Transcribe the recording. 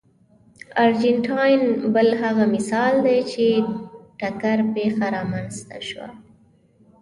ارجنټاین بل هغه مثال دی چې ټکر پېښه رامنځته شوه.